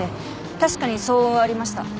確かに騒音はありました。